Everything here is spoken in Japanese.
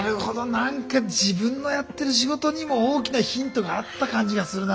何か自分のやってる仕事にも大きなヒントがあった感じがするな